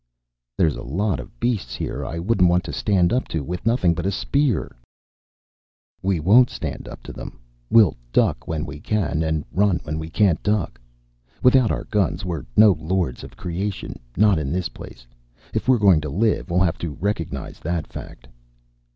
"There's a lot of beasts here I wouldn't want to stand up to with nothing but a spear." "We won't stand up to them. We'll duck when we can and run when we can't duck. Without our guns, we're no lords of creation not in this place. If we're going to live, we'll have to recognize that fact."